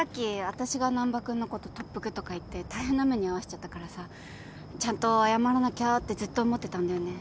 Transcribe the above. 私が難破君のこと特服とか言って大変な目に遭わせちゃったからさちゃんと謝らなきゃってずっと思ってたんだよね。